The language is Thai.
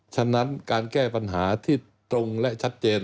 ฉะนั้นการแก้ปัญหาที่ตรงและชัดเจน